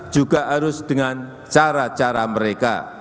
juga harus dengan cara cara mereka